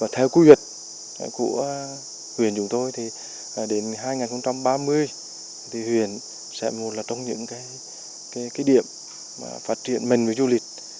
theo quy luật của huyện chúng tôi đến hai nghìn ba mươi huyện sẽ một là trong những cái điểm phát triển mình với du lịch